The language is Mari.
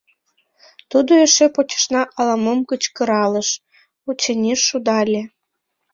Тудо эше почешна ала-мом кычкыркалыш, очыни, шудале...